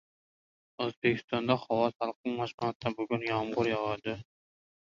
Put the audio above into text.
O‘zbekistonda havo salqinlashmoqda, bugun yomg‘ir